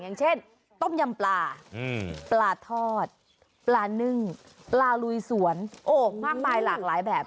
อย่างเช่นต้มยำปลาปลาทอดปลานึ่งปลาลุยสวนโอ้มากมายหลากหลายแบบ